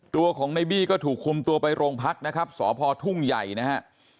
ตัวของในบี้ก็ถูกคุมตัวไปโรงพักนะครับสพทุ่งใหญ่นะฮะ